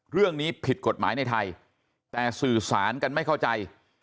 เรื่องนี้ผิดกฎหมายในไทยแต่สื่อสารกันไม่เข้าใจ